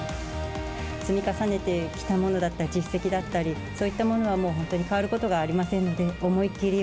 積み重ねてきたものだったり、実績だったり、そういったものはもう、本当に変わることがありま